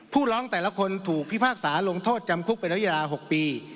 ผู้ร้องแต่ละคนถูกพิพากษาลงโทษจำคุกเป็นระยะเวลา๖ปี